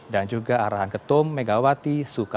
dan juga arahan ketum megawati